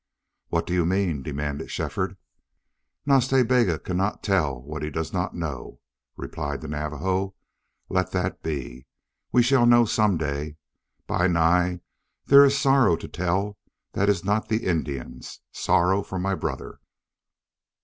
"What do you mean?" demanded Shefford. "Nas Ta Bega cannot tell what he does not know," replied the Navajo. "Let that be. We shall know some day. Bi Nai, there is sorrow to tell that is not the Indian's.... Sorrow for my brother!"